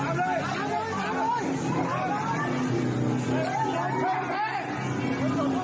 โดนล่างเสืองงาน